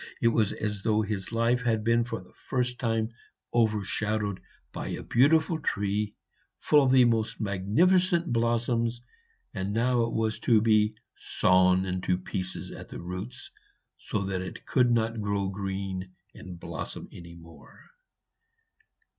It was as though his life had been for the first time overshadowed by a beautiful tree full of the most magnificent blossoms, and now it was to be sawn to pieces at the roots, so that it could not grow green and blossom any more.